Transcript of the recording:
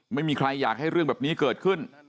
ไม่มีใครอยากให้เรื่องแบบนี้เกิดขึ้น